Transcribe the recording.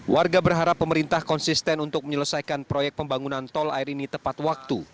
warga berharap pemerintah konsisten untuk menyelesaikan proyek pembangunan tol air ini tepat waktu